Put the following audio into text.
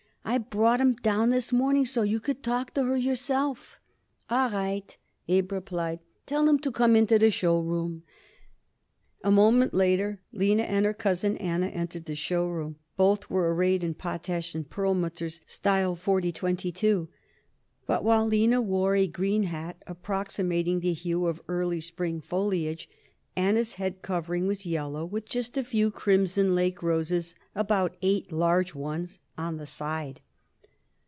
I brought 'em down this morning so you could talk to her yourself." "All right," Abe replied. "Tell 'em to come into the show room." A moment later Lina and her cousin Anna entered the show room. Both were arrayed in Potash & Perlmutter's style forty twenty two, but while Lina wore a green hat approximating the hue of early spring foliage, Anna's head covering was yellow with just a few crimson lake roses about eight large ones on the side.